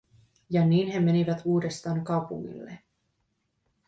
Ja niin he menivät uudestaan kaupungille.